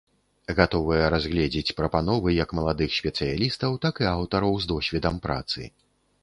Гатовыя разгледзець прапановы як маладых спецыялістаў, так і аўтараў з досведам працы.